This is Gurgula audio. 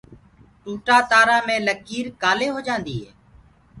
ٽوٽدآ تآرآ مي لڪيٚر ڪآلي هوجآنديٚ هي؟